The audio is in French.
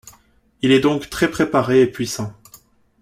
Il est donc très préparé et puissant.